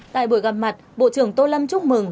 tại buổi gặp mặt bộ trưởng tô lâm chúc mừng